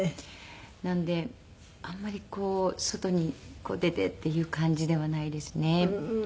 なのであんまり外に出てっていう感じではないですね。ふーん。